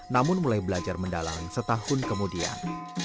namun mulai belajar mendalang setahun kemudian